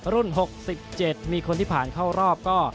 ๖๗มีคนที่ผ่านเข้ารอบก็